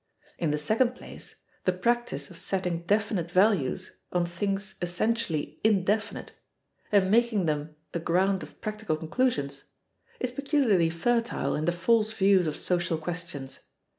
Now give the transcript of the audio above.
In the second place, the practice of setting definite values on things essentially indefinite, and making them a ground of practical conclusions, is peculiarly fertile in the false views of social questions.